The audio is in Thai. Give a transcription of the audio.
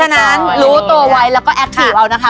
โดยรู้โตไว้แล้วก็แอคทิฟต์